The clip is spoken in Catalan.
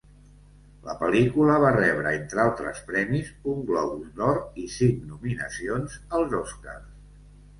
La pel·lícula va rebre, entre altres premis, un Globus d'Or i cinc nominacions als Oscars.